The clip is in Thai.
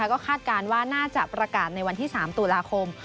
ก็คาดการณ์ว่าน่าจะประกาศในวันที่๓ตุลาคม